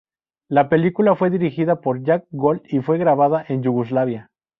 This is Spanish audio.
La película fue dirigida por Jack Gold y fue grabada en Yugoslavia.